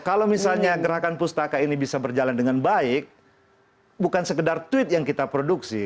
kalau misalnya gerakan pustaka ini bisa berjalan dengan baik bukan sekedar tweet yang kita produksi